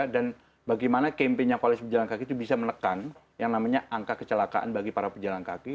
dan bagaimana kempennya koalisi pejalan kaki itu bisa menekan yang namanya angka kecelakaan bagi para pejalan kaki